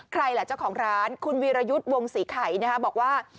ใครล่ะเจ้าของร้านคุณวีรยุทธ์วงศรีไข่บอกว่า